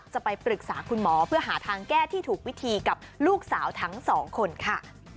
จะไปปรึกษาคุณหมอเพื่อหาทางแก้ที่ถูกวิธีกับลูกสาวทั้งสองคนค่ะ